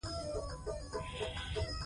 د ده قلم دې تل روان وي.